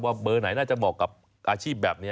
เบอร์ไหนน่าจะเหมาะกับอาชีพแบบนี้